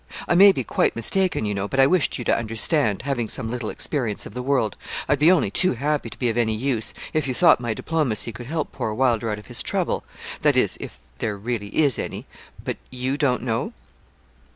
'I may be quite mistaken, you know, but I wished you to understand having some little experience of the world, I'd be only too happy to be of any use, if you thought my diplomacy could help poor Wylder out of his trouble that is, if there really is any. But you don't know?'